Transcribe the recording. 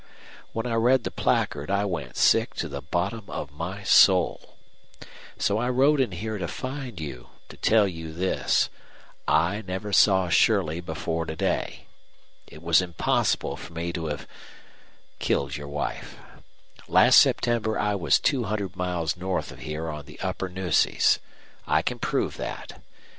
When I read the placard I went sick to the bottom of my soul. So I rode in here to find you to tell you this: I never saw Shirley before to day. It was impossible for me to have killed your wife. Last September I was two hundred miles north of here on the upper Nueces. I can prove that.